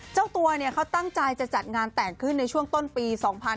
เจ้าตัวเขาตั้งใจจะจัดงานแต่งขึ้นในช่วงต้นปี๒๕๕๙